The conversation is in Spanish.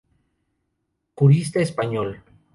Jurista español.